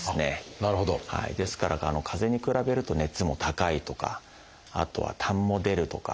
ですからかぜに比べると熱も高いとかあとはたんも出るとか。